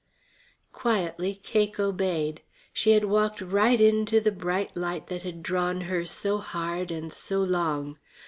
Quietly Cake obeyed. She had walked right into the bright light that had drawn her so hard and so long.